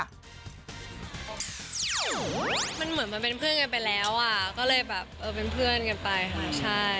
มันเหมือนมันเป็นเพื่อนกันไปแล้วอ่ะก็เลยแบบเออเป็นเพื่อนกันไปค่ะใช่